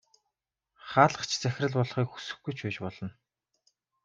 Хаалгач захирал болохыг хүсэхгүй ч байж болно.